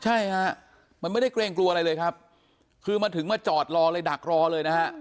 ใช่ฮะมันไม่ได้เกรงกลัวอะไรเลยครับคือมาถึงมาจอดรอเลยดักรอเลยนะฮะ